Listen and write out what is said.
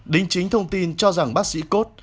đính chính thông tin cho rằng bác sĩ kot